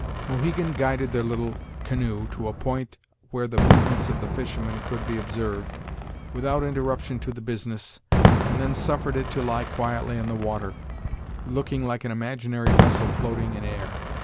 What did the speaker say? Mohegan guided their little canoe to a point where the movements of the fishermen could be observed, without interruption to the business, and then suffered it to lie quietly on the water, looking like an imaginary vessel floating in air.